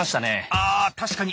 あ確かに。